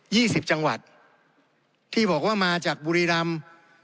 ี่สิบจังหวัดที่บอกว่ามาจากบุรีรำ